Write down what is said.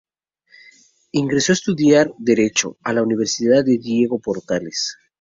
Ingresó a estudiar Derecho a la Universidad Diego Portales.